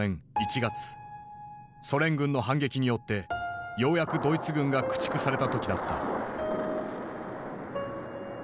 ソ連軍の反撃によってようやくドイツ軍が駆逐された時だった。